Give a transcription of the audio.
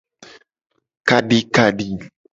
Kadikadi.